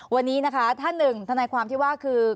วันนี้นะคะท่านหนึ่งทนายความที่ว่าคือ